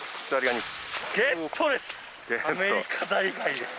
ゲットです！